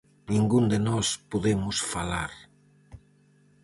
Ningún de nós podemos falar.